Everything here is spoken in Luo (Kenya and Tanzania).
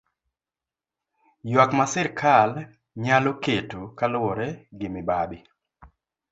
Ywak ma sirkal nyalo keto kaluwore gi mibadhi.